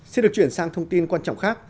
xin được chuyển sang thông tin quan trọng khác